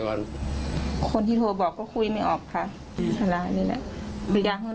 วันคนที่โทรบอกก็คุยไม่ออกค่ะอืมแต่ละนี้แหละมีอย่างเงิน